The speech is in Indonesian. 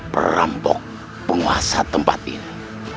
perambok penguasa tempat ini